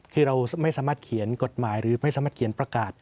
คือเราไม่สามารถเขียนกฎหมายหรือไม่สามารถเขียนประกาศ